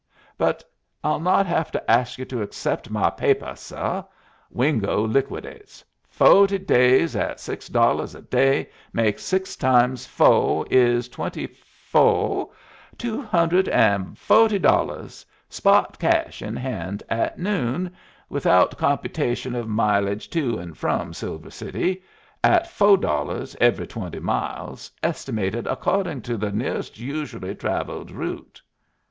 "But I'll not have to ask you to accept my papuh, suh. Wingo liquidates. Fo'ty days at six dolluhs a day makes six times fo' is twenty fo' two hun'red an' fo'ty dolluhs spot cash in hand at noon, without computation of mileage to and from Silver City at fo' dolluhs every twenty miles, estimated according to the nearest usually travelled route."